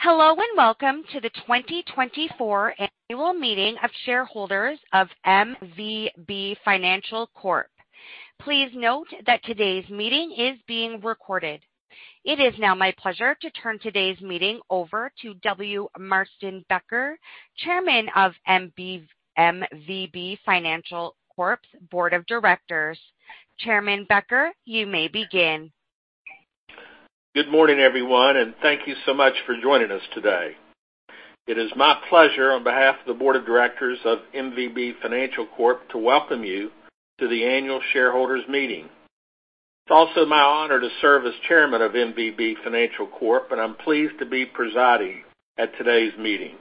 Hello, and welcome to the 2024 Annual Meeting of Shareholders of MVB Financial Corp. Please note that today's meeting is being recorded. It is now my pleasure to turn today's meeting over to W. Marston Becker, Chairman of MVB Financial Corp.'s Board of Directors. Chairman Becker, you may begin. Good morning, everyone, and thank you so much for joining us today. It is my pleasure, on behalf of the Board of Directors of MVB Financial Corp, to welcome you to the annual shareholders meeting. It's also my honor to serve as chairman of MVB Financial Corp, and I'm pleased to be presiding at today's meeting.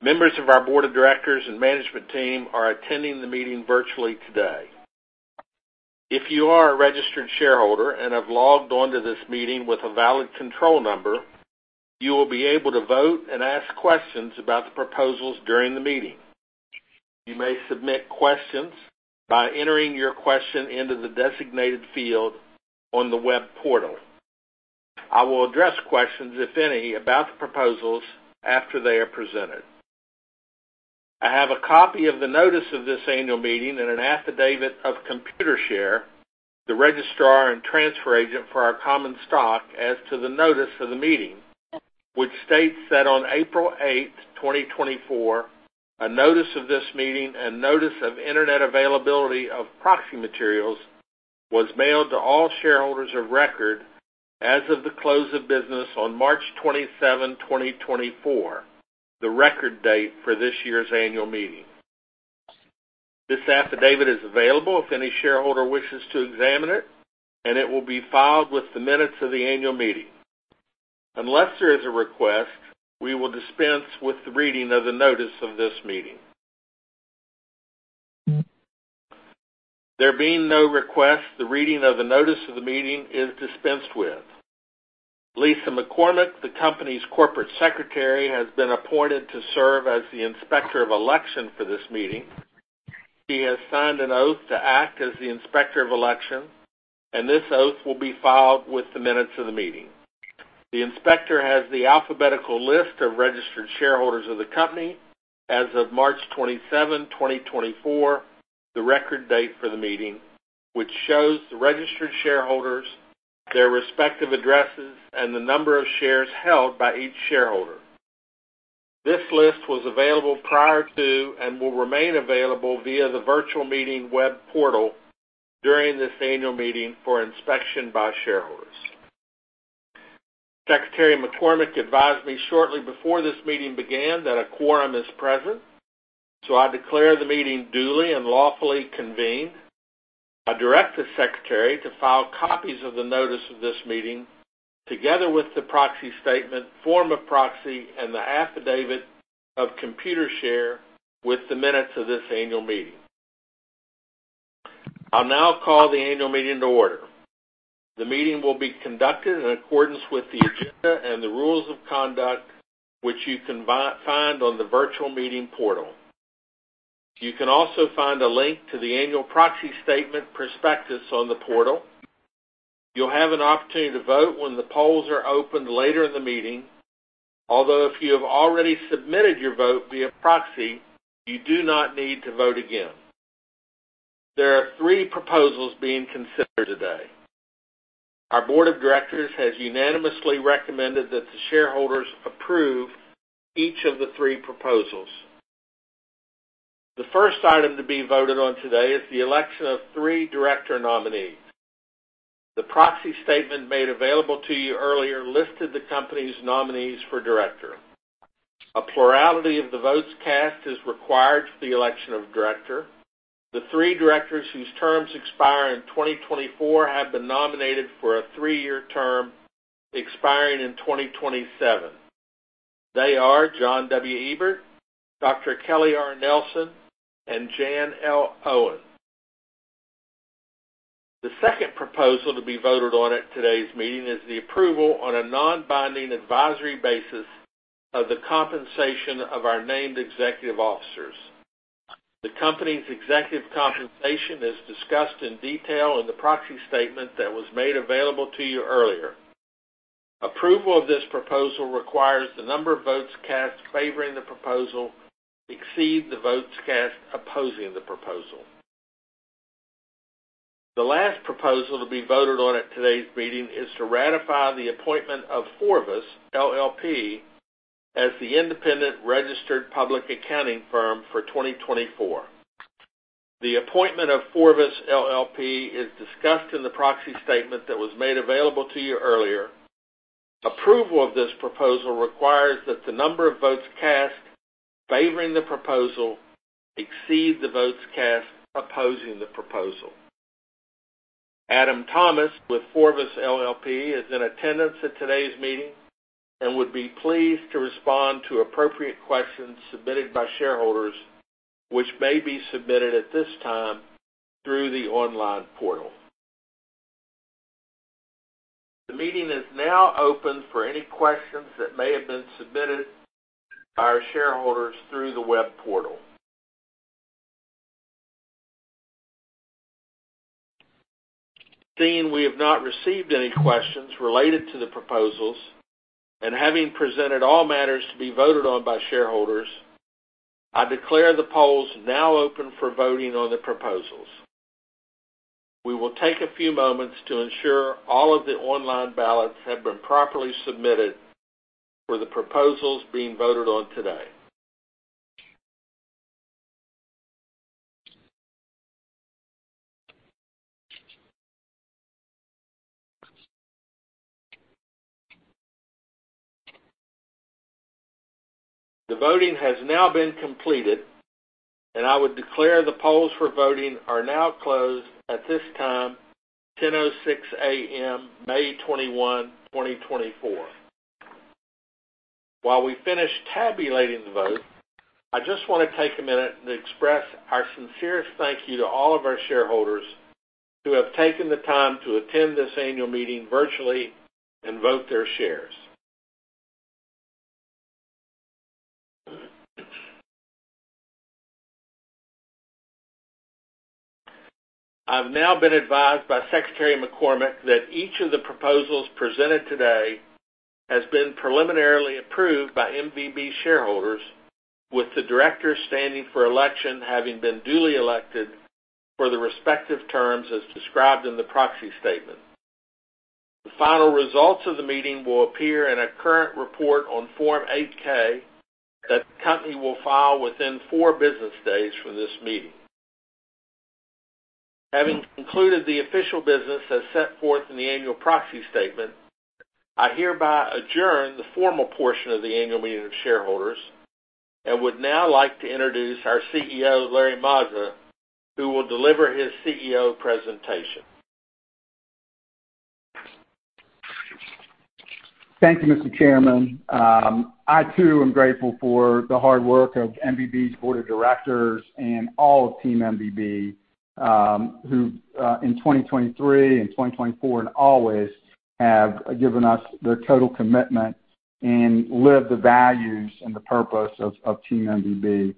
Members of our board of directors and management team are attending the meeting virtually today. If you are a registered shareholder and have logged on to this meeting with a valid control number, you will be able to vote and ask questions about the proposals during the meeting. You may submit questions by entering your question into the designated field on the web portal. I will address questions, if any, about the proposals after they are presented. I have a copy of the notice of this annual meeting and an affidavit of Computershare, the registrar and transfer agent for our common stock, as to the notice of the meeting, which states that on April 8, 2024, a notice of this meeting and notice of internet availability of proxy materials was mailed to all shareholders of record as of the close of business on March 27th, 2024, the record date for this year's annual meeting. This affidavit is available if any shareholder wishes to examine it, and it will be filed with the minutes of the annual meeting. Unless there is a request, we will dispense with the reading of the notice of this meeting. There being no request, the reading of the notice of the meeting is dispensed with. Lisa McCormick, the company's corporate secretary, has been appointed to serve as the Inspector of Election for this meeting. She has signed an oath to act as the Inspector of Election, and this oath will be filed with the minutes of the meeting. The inspector has the alphabetical list of registered shareholders of the company as of March 27th, 2024, the record date for the meeting, which shows the registered shareholders, their respective addresses, and the number of shares held by each shareholder. This list was available prior to and will remain available via the virtual meeting web portal during this annual meeting for inspection by shareholders. Secretary McCormick advised me shortly before this meeting began that a quorum is present, so I declare the meeting duly and lawfully convened. I direct the secretary to file copies of the notice of this meeting, together with the proxy statement, form of proxy, and the affidavit of Computershare with the minutes of this annual meeting. I'll now call the annual meeting to order. The meeting will be conducted in accordance with the agenda and the rules of conduct, which you can find on the virtual meeting portal. You can also find a link to the annual proxy statement prospectus on the portal. You'll have an opportunity to vote when the polls are opened later in the meeting. Although, if you have already submitted your vote via proxy, you do not need to vote again. There are three proposals being considered today. Our board of directors has unanimously recommended that the shareholders approve each of the three proposals. The first item to be voted on today is the election of three director nominees. The proxy statement made available to you earlier listed the company's nominees for director. A plurality of the votes cast is required for the election of director. The three directors, whose terms expire in 2024, have been nominated for a three year term expiring in 2027. They are John W. Ebert, Dr. Kelly R. Nelson, and Jan L. Owen. The second proposal to be voted on at today's meeting is the approval on a non-binding advisory basis of the compensation of our named executive officers. The company's executive compensation is discussed in detail in the proxy statement that was made available to you earlier. Approval of this proposal requires the number of votes cast favoring the proposal exceed the votes cast opposing the proposal. The last proposal to be voted on at today's meeting is to ratify the appointment of FORVIS, LLP, as the independent registered public accounting firm for 2024. The appointment of FORVIS, LLP, is discussed in the Proxy Statement that was made available to you earlier. Approval of this proposal requires that the number of votes cast favoring the proposal exceed the votes cast opposing the proposal. Adam Thomas, with FORVIS, LLP, is in attendance at today's meeting and would be pleased to respond to appropriate questions submitted by shareholders, which may be submitted at this time through the online portal. The meeting is now open for any questions that may have been submitted by our shareholders through the web portal... Seeing we have not received any questions related to the proposals, and having presented all matters to be voted on by shareholders, I declare the polls now open for voting on the proposals. We will take a few moments to ensure all of the online ballots have been properly submitted for the proposals being voted on today. The voting has now been completed, and I would declare the polls for voting are now closed at this time, 10:06 A.M., May 21st, 2024. While we finish tabulating the vote, I just want to take a minute to express our sincerest thank you to all of our shareholders who have taken the time to attend this annual meeting virtually and vote their shares. I've now been advised by Secretary McCormick that each of the proposals presented today has been preliminarily approved by MVB shareholders, with the directors standing for election having been duly elected for the respective terms, as described in the proxy statement. The final results of the meeting will appear in a current report on Form 8-K that the company will file within four business days from this meeting. Having concluded the official business as set forth in the annual proxy statement, I hereby adjourn the formal portion of the annual meeting of shareholders, and would now like to introduce our CEO, Larry Mazza, who will deliver his CEO presentation. Thank you, Mr. Chairman. I, too, am grateful for the hard work of MVB's board of directors and all of Team MVB, who in 2023 and 2024, and always have given us their total commitment and live the values and the purpose of Team MVB.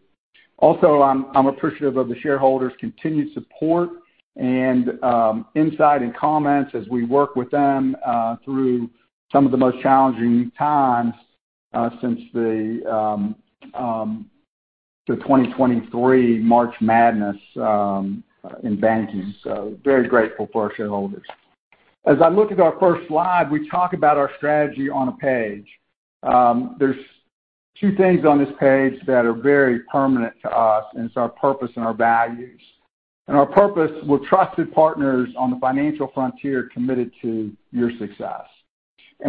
Also, I'm appreciative of the shareholders' continued support and insight and comments as we work with them through some of the most challenging times since the 2023 March Madness in banking. So very grateful for our shareholders. As I look at our first slide, we talk about our strategy on a page. There's two things on this page that are very permanent to us, and it's our purpose and our values. And our purpose, we're trusted partners on the financial frontier, committed to your success.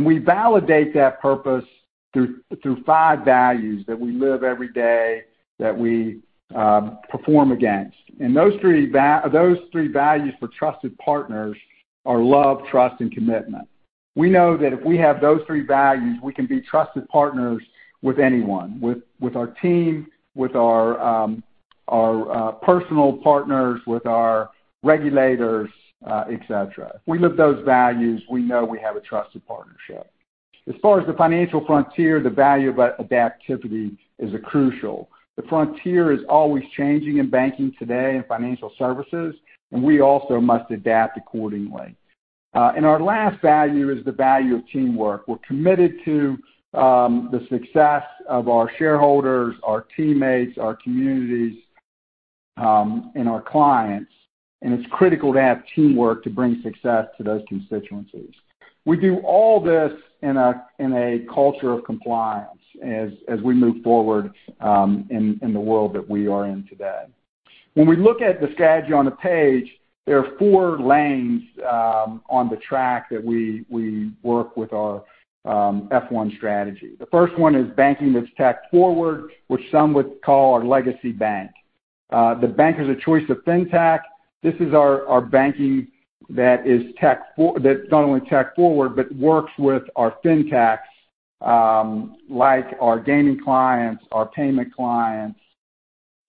We validate that purpose through five values that we live every day, that we perform against. Those three values for trusted partners are love, trust, and commitment. We know that if we have those three values, we can be trusted partners with anyone, with our team, with our personal partners, with our regulators, et cetera. We live those values. We know we have a trusted partnership. As far as the financial frontier, the value of adaptivity is a crucial. The frontier is always changing in banking today and financial services, and we also must adapt accordingly. And our last value is the value of teamwork. We're committed to the success of our shareholders, our teammates, our communities, and our clients, and it's critical to have teamwork to bring success to those constituencies. We do all this in a culture of compliance as we move forward in the world that we are in today. When we look at the strategy on the page, there are four lanes on the track that we work with our F1 strategy. The first one is banking that's tech forward, which some would call our legacy bank. The bankers of choice of Fintech. This is our banking that's not only tech forward, but works with our Fintech, like our gaming clients, our payment clients,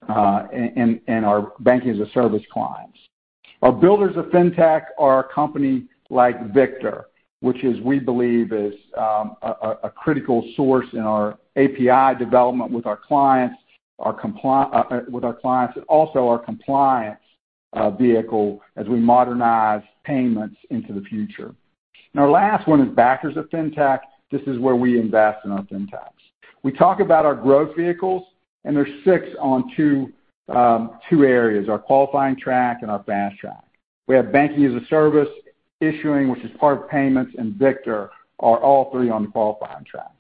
and our banking-as-a-service clients. Our builders of Fintech are a company like Victor, which we believe is a critical source in our API development with our clients, and also our compliance vehicle as we modernize payments into the future. Our last one is Backers of Fintech. This is where we invest in our Fintechs. We talk about our growth vehicles, and there's six on two areas, our qualifying track and our fast track. We have banking-as-a-service, issuing, which is part of payments, and Victor, are all three on the qualifying track.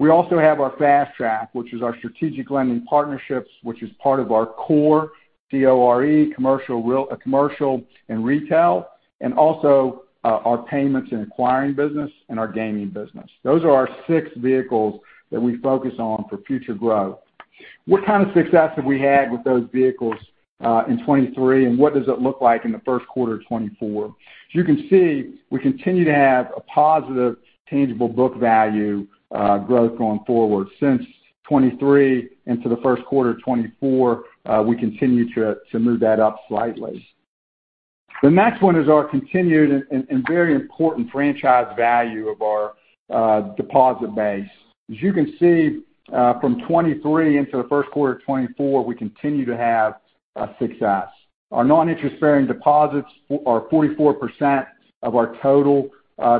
We also have our fast track, which is our strategic lending partnerships, which is part of our core, C-O-R-E, commercial and retail, and also our payments and acquiring business and our gaming business. Those are our 6 vehicles that we focus on for future growth. What kind of success have we had with those vehicles in 2023, and what does it look like in the first quarter of 2024? As you can see, we continue to have a positive tangible book value growth going forward. Since 2023 into the first quarter of 2024, we continue to move that up slightly. The next one is our continued and very important franchise value of our deposit base. As you can see, from 2023 into the first quarter of 2024, we continue to have success. Our non-interest-bearing deposits are 44% of our total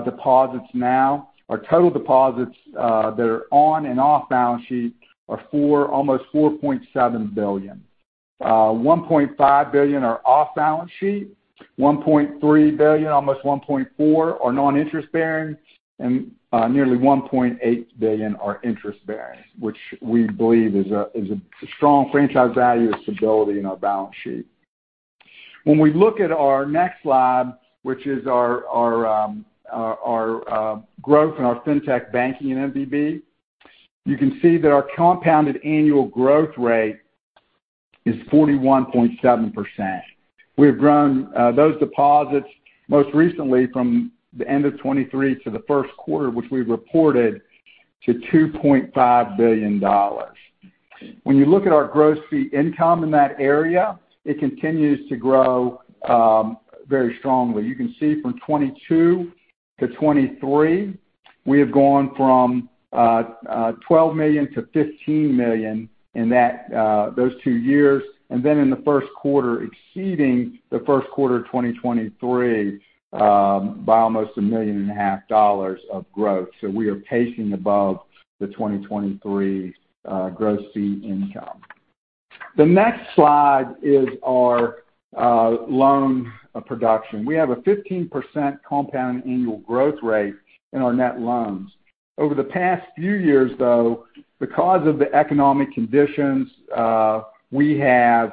deposits now. Our total deposits that are on and off balance sheet are almost $4.7 billion. One point five billion are off balance sheet, one point three billion, almost one point four, are non-interest bearing, and nearly one point eight billion are interest bearing, which we believe is a strong franchise value and stability in our balance sheet. When we look at our next slide, which is our growth in our fintech banking in MVB, you can see that our compound annual growth rate is 41.7%. We have grown those deposits, most recently from the end of 2023 to the first quarter, which we reported, to $2.5 billion. When you look at our gross fee income in that area, it continues to grow very strongly. You can see from 2022-2023, we have gone from $12 million-$15 million in that those two years, and then in the first quarter, exceeding the first quarter of 2023 by almost $1.5 million of growth. So we are pacing above the 2023 gross fee income. The next slide is our loan production. We have a 15% compound annual growth rate in our net loans. Over the past few years, though, because of the economic conditions, we have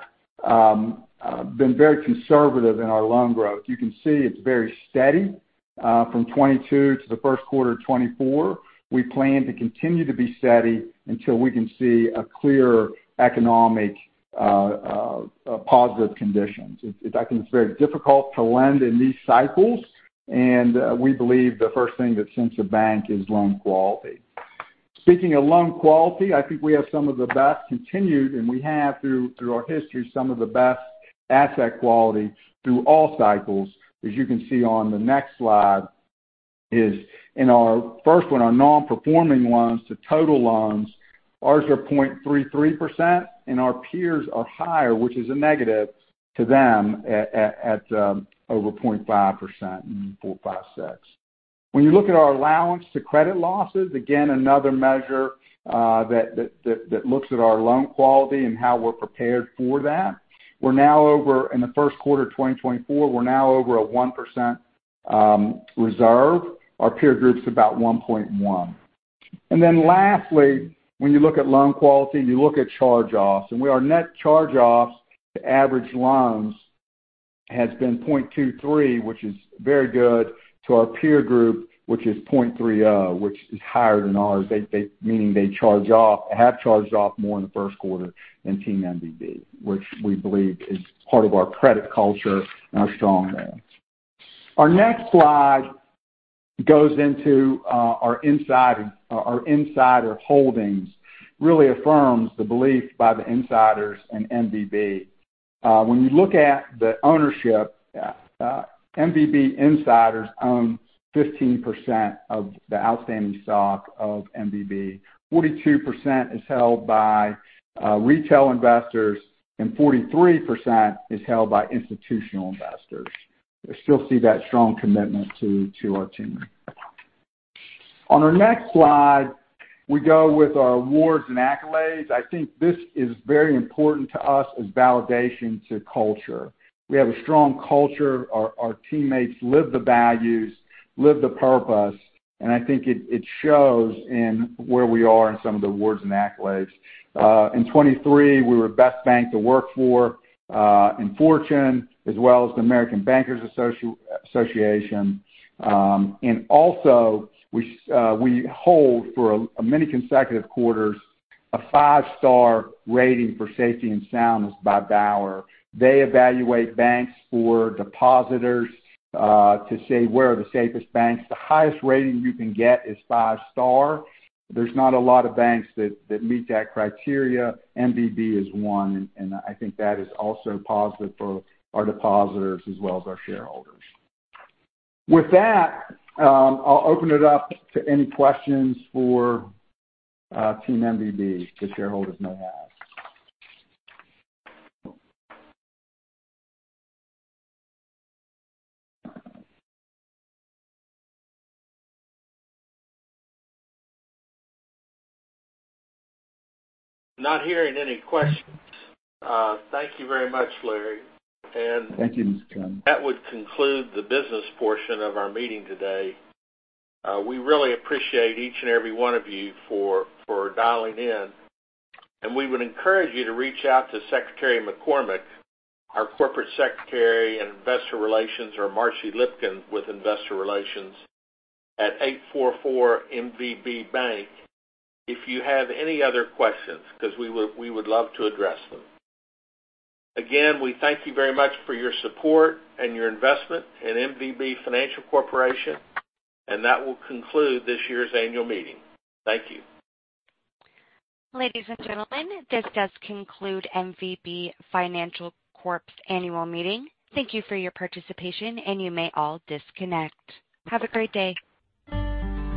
been very conservative in our loan growth. You can see it's very steady from 2022 to the first quarter of 2024. We plan to continue to be steady until we can see a clear economic positive conditions. I think, it's very difficult to lend in these cycles, and we believe the first thing that sends a bank is loan quality. Speaking of loan quality, I think we have some of the best continued, and we have, through our history, some of the best asset quality through all cycles. As you can see on the next slide, is in our first one, our non-performing loans to total loans, ours are 0.33%, and our peers are higher, which is a negative to them over 0.5%, 0.4, 0.5, 0.6. When you look at our allowance for credit losses, again, another measure that looks at our loan quality and how we're prepared for that. We're now over. In the first quarter of 2024, we're now over 1%, reserve. Our peer group's about 1.1. And then lastly, when you look at loan quality, you look at charge-offs, and where our net charge-offs to average loans has been 0.23, which is very good, to our peer group, which is 0.3, which is higher than ours. They, meaning they have charged off more in the first quarter than Team MVB, which we believe is part of our credit culture and our strong brand. Our next slide goes into our insider holdings. Really affirms the belief by the insiders in MVB. When you look at the ownership, MVB insiders own 15% of the outstanding stock of MVB. 42% is held by retail investors, and 43% is held by institutional investors. We still see that strong commitment to our team. On our next slide, we go with our awards and accolades. I think this is very important to us as validation to culture. We have a strong culture. Our teammates live the values, live the purpose, and I think it shows in where we are in some of the awards and accolades. In 2023, we were Best Bank to Work For in Fortune, as well as the American Bankers Association. And also, we hold for many consecutive quarters a five-star rating for safety and soundness by Bauer. They evaluate banks for depositors to say, where are the safest banks? The highest rating you can get is five star. There's not a lot of banks that meet that criteria. MVB is one, and I think that is also positive for our depositors as well as our shareholders. With that, I'll open it up to any questions for Team MVB the shareholders may have. Not hearing any questions. Thank you very much, Larry. Thank you, Mr. Chairman. That would conclude the business portion of our meeting today. We really appreciate each and every one of you for dialing in, and we would encourage you to reach out to Secretary McCormick, our corporate secretary, and investor relations, or Marcy Lipkin, with investor relations, at 844-MVB Bank, if you have any other questions, because we would love to address them. Again, we thank you very much for your support and your investment in MVB Financial Corporation, and that will conclude this year's annual meeting. Thank you. Ladies and gentlemen, this does conclude MVB Financial Corp.'s annual meeting. Thank you for your participation, and you may all disconnect. Have a great day.